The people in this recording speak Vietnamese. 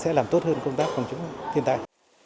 sẽ làm tốt hơn công tác phòng chống thiên tai